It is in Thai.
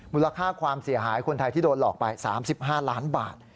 มูลค่าความเสียหายคนไทยที่โดนหลอกไป๓๕ล้านบาท